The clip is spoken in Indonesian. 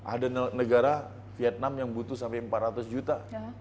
ada negara vietnam yang butuh sampai empat ratus juta